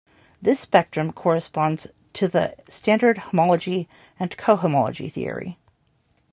This spectrum corresponds to the standard homology and cohomology theory.